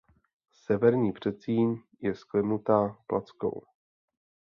Severní předsíň je sklenuta plackou.